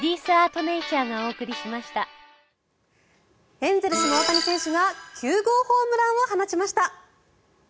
エンゼルスの大谷選手が９号ホームランを放ちました。